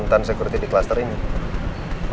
tisedot jika agak kalau saya ingin